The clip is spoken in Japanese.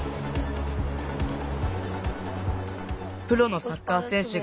プロのサッカーせん